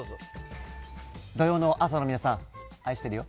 土曜の朝の皆さん、愛してるよ。